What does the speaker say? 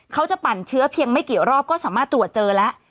ปั่นเชื้อเพียงไม่กี่รอบก็สามารถตรวจเจอแล้ว